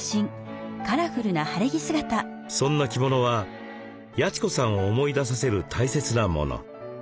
そんな着物は八千子さんを思い出させる大切なもの。